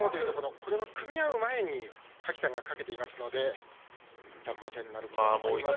これは組み合う前に垣田がかけていますのでいったん待てになります。